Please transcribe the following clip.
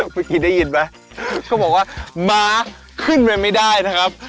เมื่อกี้ได้ยินไหมเขาบอกว่าม้าขึ้นไปไม่ได้นะครับ